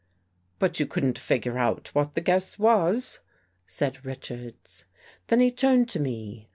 " But you couldn't figure out what the guess was," said Richards. Then he turned to me.